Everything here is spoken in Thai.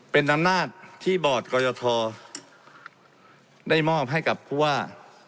เป็นอำนาจที่บอร์ดกรยทได้มอบให้กับผู้ว่า